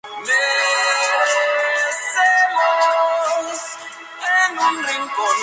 Al comienzo del Imperio, Italia era una colección de territorios con diferentes estatus.